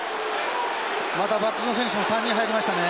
またバックスの選手も３人入りましたね。